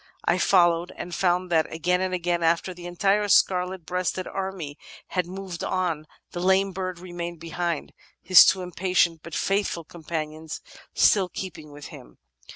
I f oUowed and found that, again and again, after the entire scarlet breasted army had moved on, the lame bird remained behind, his two impatient but faithful companions still keeping with him.